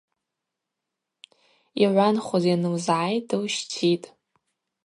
Йгӏванхуз йанлызгӏай – дылщтитӏ.